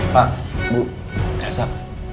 pak bu kesab